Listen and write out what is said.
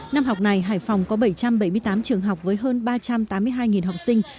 năm học này hải phòng có bảy trăm bảy mươi tám trường học với hơn ba trăm tám mươi hai học sinh